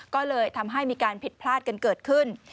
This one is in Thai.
ก็เลยทำให้มีการผิดพลาดกันเกิดขึ้น